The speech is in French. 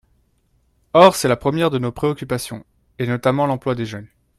Or c’est la première de nos préoccupations, et notamment l’emploi des jeunes.